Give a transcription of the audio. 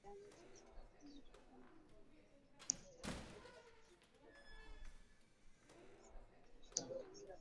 okukola kuleetera abantu okwewala emizze.